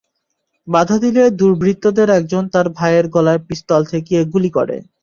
বাধা দিলে দুর্বৃত্তদের একজন তাঁর ভাইয়ের গলায় পিস্তল ঠেকিয়ে গুলি করে।